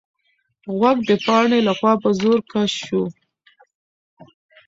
غوږ د پاڼې لخوا په زور کش شو.